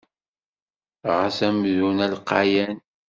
Ɣez amdun alqayan.